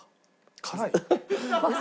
辛い？